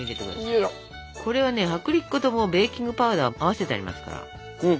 これはね薄力粉ともうベーキングパウダーを合わせてありますから。